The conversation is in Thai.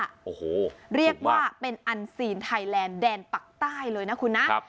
โอ้โหเรียกว่าเป็นอันซีนไทยแลนด์แดนปักใต้เลยนะคุณนะ